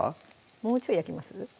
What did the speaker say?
もうちょい焼きます？